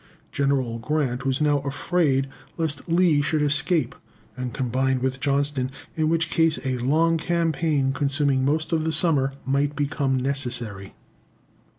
General Grant was now afraid lest Lee should escape, "and combine with Johnston, in which case a long campaign, consuming most of the summer, might become necessary."